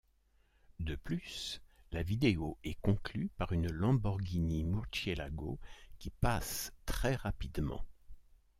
De plus, la vidéo est conclue par une Lamborghini Murciélago qui passe très rapidement.